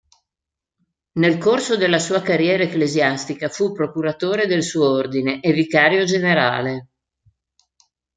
Nel corso della sua carriera ecclesiastica fu procuratore del suo ordine e vicario generale.